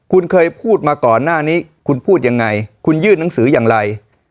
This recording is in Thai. คุณเคยพูดมาก่อนหน้านี้คุณพูดยังไงคุณยื่นหนังสืออย่างไร